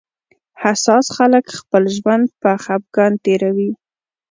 حساس خلک خپل ژوند په خپګان تېروي